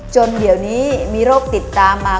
จนเดี๋ยวนี้มีโรคติดตามมา